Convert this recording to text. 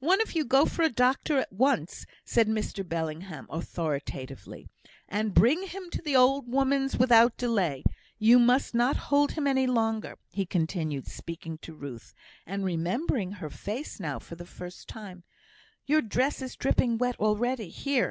"One of you go for a doctor at once," said Mr Bellingham, authoritatively, "and bring him to the old woman's without delay. You must not hold him any longer," he continued, speaking to Ruth, and remembering her face now for the first time; "your dress is dripping wet already. Here!